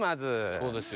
そうですよ。